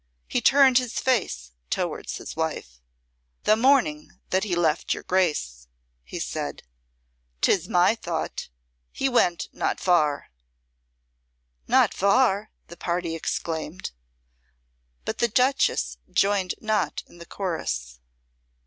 He turned his face towards his wife. "The morning that he left your Grace," he said, "'tis my thought he went not far." "Not far?" the party exclaimed, but the Duchess joined not in the chorus.